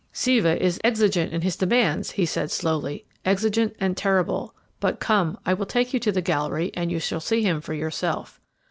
"'Siva is exigent in his demands,' he said slowly 'exigent and terrible. But come, I will take you into the gallery, and you shall see him for yourself.'